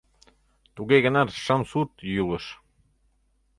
Туге гынат шым сурт йӱлыш.